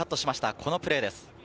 このプレーです。